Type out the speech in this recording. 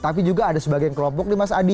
tapi juga ada sebagian kelompok nih mas adi